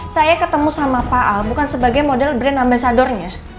saya ketemu sama pak a bukan sebagai model brand ambasadornya